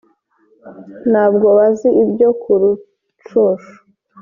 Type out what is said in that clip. Ntabwo bazi ibyo ku Rucunshu